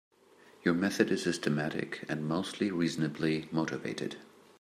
Your method is systematic and mostly reasonably motivated.